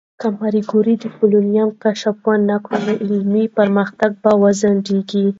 که ماري کوري د پولونیم کشف ونکړي، نو علمي پرمختګ به وځنډېږي.